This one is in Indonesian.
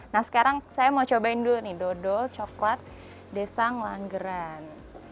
nah sekarang saya mau cobain dulu nih dodol coklat desa ngelanggeran